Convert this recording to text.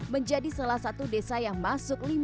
menjadi salah satu desa yang masuk